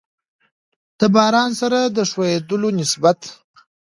د باران سره د خوييدلو نسبت